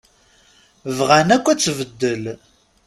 Bɣan akk ad tbeddel.